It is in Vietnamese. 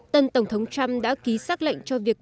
tân tổng thống trump đã ký xác lệnh cho việc